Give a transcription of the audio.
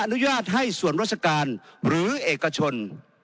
อนุญาตให้ส่วนราชการหรือเอกชน